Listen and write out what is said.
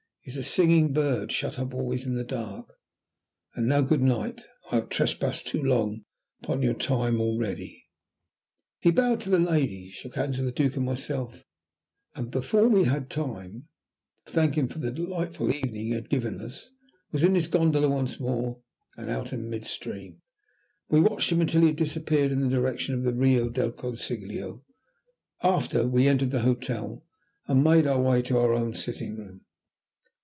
"He is a singing bird shut up always in the dark. And now, good night. I have trespassed too long upon your time already." He bowed low to the ladies, shook hands with the Duke and myself, and then, before we had time to thank him for the delightful evening he had given us, was in his gondola once more and out in mid stream. We watched him until he had disappeared in the direction of the Rio del Consiglio, after we entered the hotel and made our way to our own sitting room.